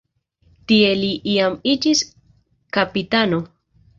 Tie li jam iĝis kapitano.